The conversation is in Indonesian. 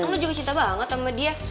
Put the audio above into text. lo juga cinta banget sama dia